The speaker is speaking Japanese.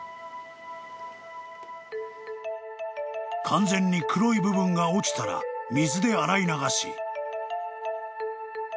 ［完全に黒い部分が落ちたら水で洗い流し］